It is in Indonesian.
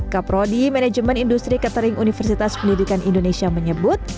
kaprodi manajemen industri catering universitas pendidikan indonesia menyebut